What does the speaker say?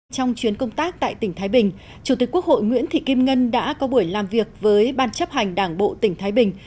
trong chuyến công tác tại tỉnh thái bình chủ tịch quốc hội nguyễn thị kim ngân đã có buổi làm việc với ban chấp hành đảng bộ tỉnh thái bình